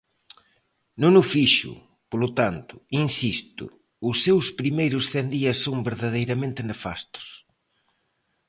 Non o fixo, polo tanto –insisto–, os seus primeiros cen días son verdadeiramente nefastos.